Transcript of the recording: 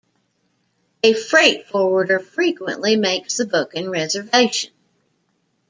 A freight forwarder frequently makes the booking reservation.